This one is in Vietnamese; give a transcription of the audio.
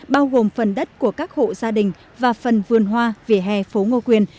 bao gồm phần đất của các hộ gia đình và phần vườn hoa vỉa hè phố ngô quyền